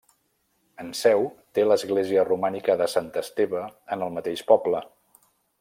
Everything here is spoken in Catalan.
Enseu té l'església romànica de Sant Esteve en el mateix poble.